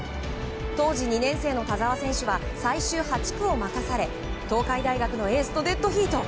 当時２年生の田澤選手は最終８区を任され東海大学のエースとデッドヒート。